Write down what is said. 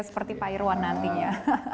seperti pak irwan nantinya